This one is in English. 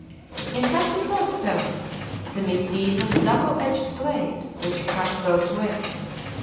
In fact, it was so the misdeed was a double edged blade which cut both ways.